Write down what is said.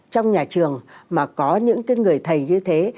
trong nhà trường mà có những cái người thầy như thế